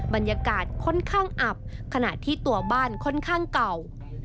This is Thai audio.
บรรยากาศค่อนข้างอับขณะที่ตัวบ้านค่อนข้างเก่า